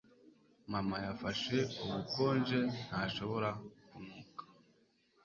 Mama yafashe ubukonje ntashobora kunuka